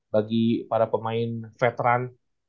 bagi para pemain veteran